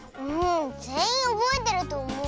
ぜんいんおぼえてるとおもう。